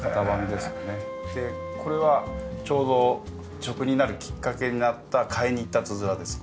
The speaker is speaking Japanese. でこれはちょうど職人になるきっかけになった買いに行ったつづらです